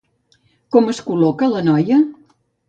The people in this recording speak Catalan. Com es col·loca la noia?